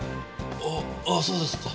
あああそうですか。